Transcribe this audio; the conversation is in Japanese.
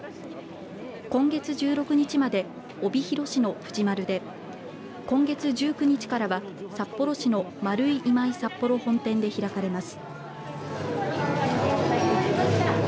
今月１６日まで帯広市の藤丸で今月１９日からは札幌市の丸井今井札幌本店で開かれます。